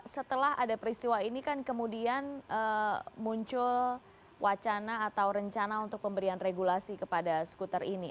setelah ada peristiwa ini kan kemudian muncul wacana atau rencana untuk pemberian regulasi kepada skuter ini